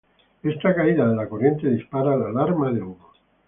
Esta caída de la corriente dispara la alarma de humo.